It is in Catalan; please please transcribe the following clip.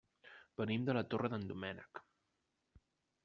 Venim de la Torre d'en Doménec.